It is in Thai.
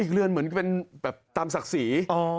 อีกเรือนเหมือนเป็นแบบตามศักดิ์สี